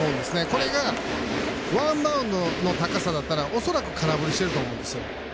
これが、ワンバウンドの高さだったら、恐らく空振りしてると思うんですよ。